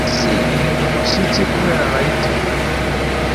isi ihinda umushyitsi kubera abayituye